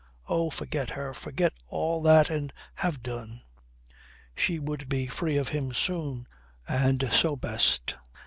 Oh, forget her, forget all that and have done. She would be free of him soon, and so best.